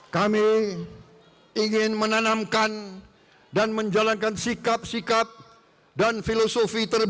kami ingin menanamkan dan menjalankan sikap sikap dan filosofi terbaik